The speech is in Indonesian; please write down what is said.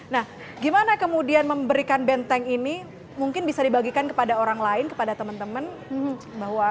nah gimana kemudian memberikan benteng ini mungkin bisa dibagikan kepada orang lain kepada teman teman bahwa